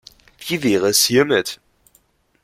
Wie wäre es hiermit?